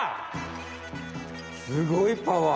すごいパワー。